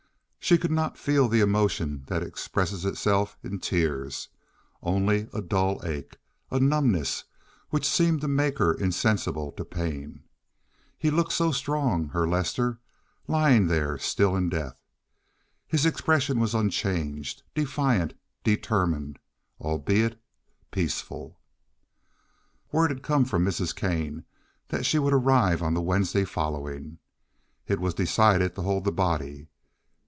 She could not feel the emotion that expresses itself in tears—only a dull ache, a numbness which seemed to make her insensible to pain. He looked so strong—her Lester—lying there still in death. His expression was unchanged—defiant, determined, albeit peaceful. Word had come from Mrs. Kane that she would arrive on the Wednesday following. It was decided to hold the body.